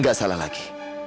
gak salah lagi